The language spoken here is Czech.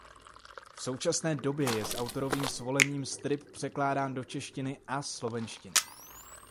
V současné době je s autorovým svolením strip překládán do češtiny a slovenštiny.